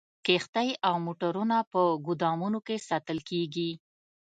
کښتۍ او موټرونه په ګودامونو کې ساتل کیږي